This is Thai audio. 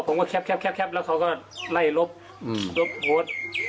ผมว่าแคบแล้วเขาก็ไล่ลบลบโพส